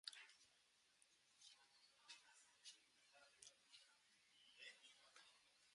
Goizean, hodeiak eta ostarteak izango ditugu.